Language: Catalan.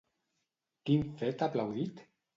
Quin fet ha aplaudit?